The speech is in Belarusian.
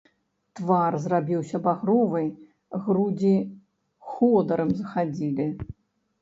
Твар зрабіўся багровы, грудзі ходырам захадзілі.